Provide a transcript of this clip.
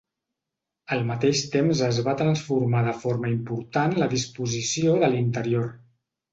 Al mateix temps es va transformar de forma important la disposició de l'interior.